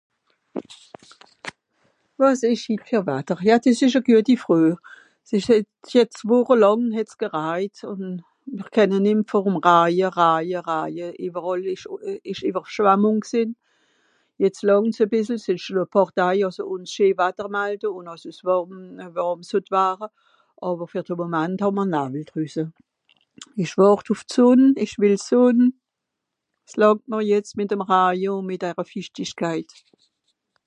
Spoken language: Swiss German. wàs esch hit fer watter jà des esch a gueti Fröö 's esch jet jetz wòche làng het's geraijt ùn mr kenne nem vor ùm raije raije raije ìwerall esch esch ìwerschwammùng gsìnn jetz làngt's a bìssel s'esch schon a paar Daai àss se ùns scheen watter malde un àss es wàrm wàrm sott ware àwer fer de momant hàmm'r navel drüsse esch wàrt ùff d'Sonn esch wìll Sonn 's langt mr jetz mìt'm raije ùn mìt dere fìchtichkait